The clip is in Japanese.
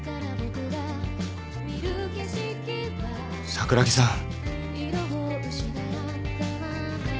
桜木さん。